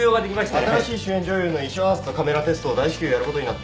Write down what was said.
新しい主演女優の衣装合わせとカメラテストを大至急やることになって。